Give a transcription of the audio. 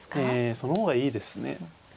その方がいいですね。